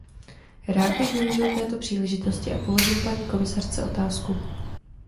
Rád bych využil této příležitosti a položil paní komisařce otázku.